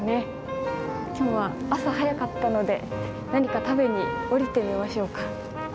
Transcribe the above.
今日は朝早かったので何か食べに降りてみましょうか。